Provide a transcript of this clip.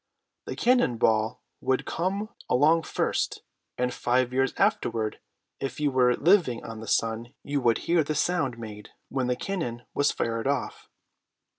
The cannon ball would come along first, and five years afterward, if you were living on the sun, you would hear the sound made when the cannon was fired off.